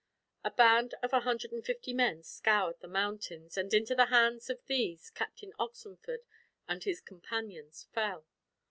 A band of a hundred and fifty men scoured the mountains, and into the hands of these Captain Oxenford and his companions fell.